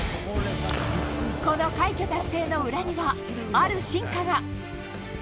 この快挙達成の裏にはある進化が。